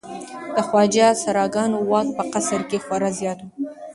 د خواجه سراګانو واک په قصر کې خورا زیات و.